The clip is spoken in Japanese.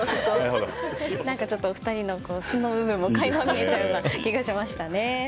ちょっと２人の素の部分も垣間見えたような気がしましたね。